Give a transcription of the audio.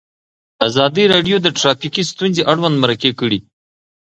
ازادي راډیو د ټرافیکي ستونزې اړوند مرکې کړي.